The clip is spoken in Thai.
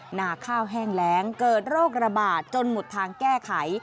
หน้าข้าวแห้งแรงเกิดโรคระบาดจนหมดทางแก้ไข